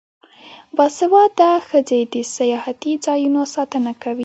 باسواده ښځې د سیاحتي ځایونو ساتنه کوي.